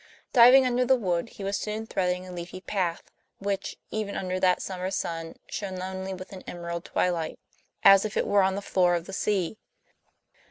Diving under the wood, he was soon threading a leafy path which, even under that summer sun, shone only with an emerald twilight, as if it were on the floor of the sea.